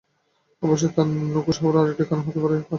অবশ্য, তাঁর নাখোশ হওয়ার আরেকটি কারণ হতে পারে বাজিতে হেরে যাওয়া।